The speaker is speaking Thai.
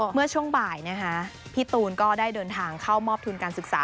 เมื่อช่วงบ่ายนะคะพี่ตูนก็ได้เดินทางเข้ามอบทุนการศึกษา